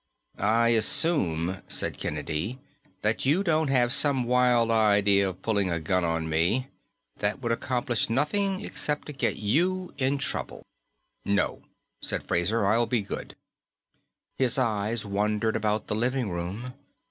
"I assume," said Kennedy, "that you don't have some wild idea of pulling a gun on me. That would accomplish nothing except to get you in trouble." "No," said Fraser, "I'll be good." His eyes wandered about the living room.